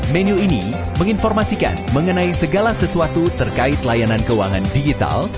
menu ini menginformasikan mengenai segala sesuatu terkait layanan keuangan digital